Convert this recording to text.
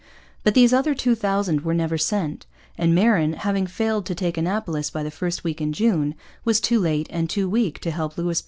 But these other two thousand were never sent; and Marin, having failed to take Annapolis by the first week in June, was too late and too weak to help Louisbourg afterwards.